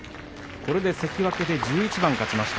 これで関脇で１１番勝ちました。